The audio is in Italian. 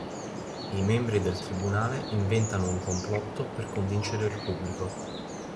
I membri del tribunale inventano un complotto per convincere il pubblico.